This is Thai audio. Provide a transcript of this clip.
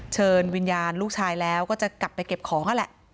เชิญวิญญาณลูกชายแล้วก็จะกลับไปเก็บของนั่นแหละ